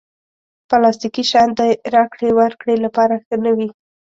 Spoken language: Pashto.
پلاستيکي شیان د راکړې ورکړې لپاره ښه نه وي.